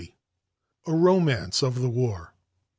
XX. A ROMANCE OF THE WAR.